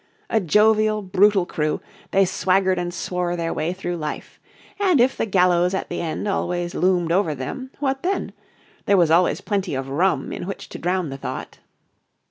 A jovial, brutal crew, they swaggered and swore their way through life. And if the gallows at the end always loomed over them what then? There was always plenty of rum in which to drown the thought.